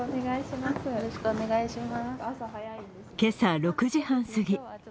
今朝６時半過ぎ。